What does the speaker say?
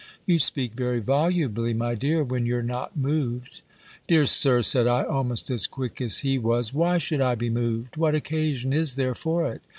You speak very volubly, my dear, when you're not moved." "Dear Sir," said I, almost as quick as he was, "why should I be moved? What occasion is there for it?